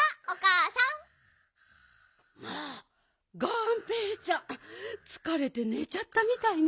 まあがんぺーちゃんつかれてねちゃったみたいね。